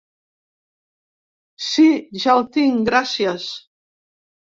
Si, ja el tinc gracies.